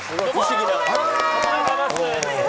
おはようございます。